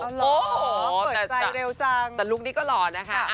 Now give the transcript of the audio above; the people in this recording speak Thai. โอ้โหเปิดใจเร็วจังแต่ลุคนี้ก็หล่อนะคะ